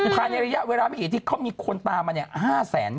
ภายในระยะเวลาไม่กี่ที่เขามีคนตามมาเนี่ย๕แสน